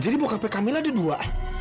jadi bokapnya kamila ada dua